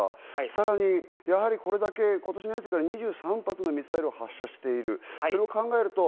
さらにこれだけ今年に入ってから２３発のミサイルを発射している。